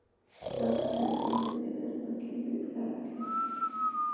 Todas las canciones escritas por Gilby Clarke.